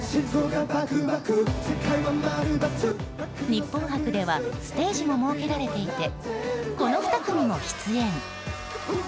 日本博ではステージも設けられていてこの２組も出演。